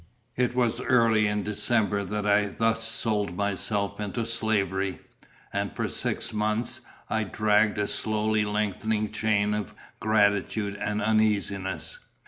It was early in December that I thus sold myself into slavery; and for six months I dragged a slowly lengthening chain of gratitude and uneasiness.